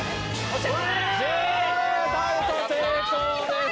ダウト成功です。